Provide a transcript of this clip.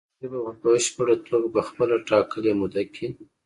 دغه پروژې به په پشپړه توګه په خپله ټاکلې موده کې